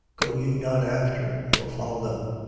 Go ye not after, nor follow them.